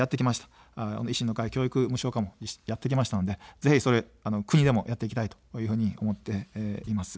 維新の会、教育無償化もやってきたので、ぜひ国でもやっていきたいと思っています。